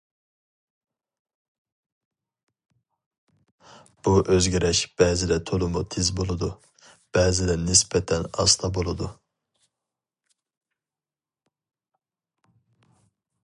بۇ ئۆزگىرىش بەزىدە تولىمۇ تېز بولىدۇ، بەزىدە نىسبەتەن ئاستا بولىدۇ.